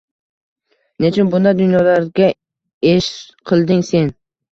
Nechun bunday dunyolarga esh qilding Sen